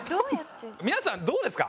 皆さんどうですか？